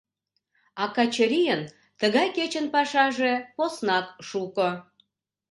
А Качырийын тыгай кечын пашаже поснак шуко.